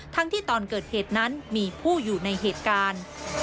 ที่ตอนเกิดเหตุนั้นมีผู้อยู่ในเหตุการณ์